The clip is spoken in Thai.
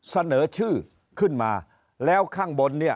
เสนอชื่อขึ้นมาแล้วข้างบนเนี่ย